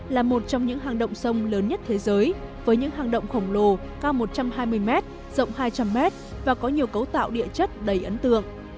là một trong những hang động sông lớn nhất thế giới với những hang động khổng lồ cao một trăm hai mươi m rộng hai trăm linh m và có nhiều cấu tạo địa chất đầy ấn tượng